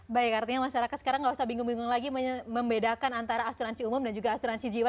baik artinya masyarakat sekarang nggak usah bingung bingung lagi membedakan antara asuransi umum dan juga asuransi jiwa